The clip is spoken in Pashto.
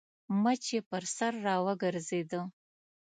مچ يې پر سر راګرځېده.